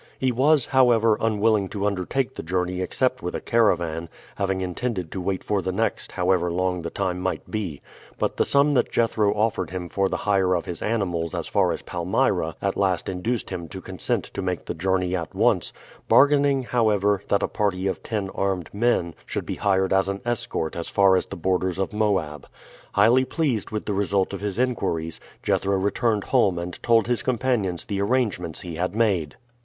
He was, however, unwilling to undertake the journey except with a caravan, having intended to wait for the next however long the time might be; but the sum that Jethro offered him for the hire of his animals as far as Palmyra at last induced him to consent to make the journey at once, bargaining, however, that a party of ten armed men should be hired as an escort as far as the borders of Moab. Highly pleased with the result of his inquiries, Jethro returned home and told his companions the arrangements he had made.